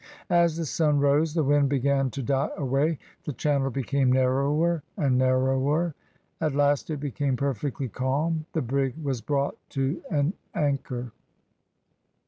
As the sun rose the wind began to die away, the channel became narrower and narrower. At last it became perfectly calm, the brig was brought to an anchor.